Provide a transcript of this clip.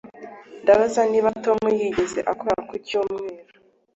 Ndabaza niba Tom yigeze akora ku cyumweru